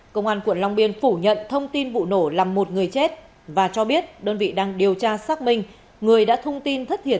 công an quận long biên phủ nhận thông tin vụ nổ làm một người chết và cho biết đơn vị đang điều tra xác minh người đã thông tin thất thiệt